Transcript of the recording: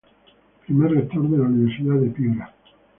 Primer Rector de la Universidad de Piura.